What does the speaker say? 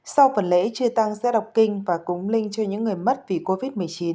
sau phần lễ chia tăng rẽ đọc kinh và cúng linh cho những người mất vì covid một mươi chín